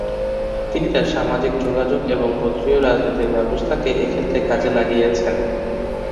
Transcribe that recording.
তিনি তার সামাজিক যোগাযোগ এবং গোত্রীয় রাজনীতির ব্যবস্থাকে এক্ষেত্রে কাজে লাগিয়েছেন।